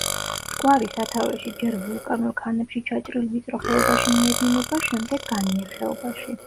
მტკვარი სათავეში ჯერ ვულკანურ ქანებში ჩაჭრილ ვიწრო ხეობაში მიედინება, შემდეგ განიერ ხეობაში.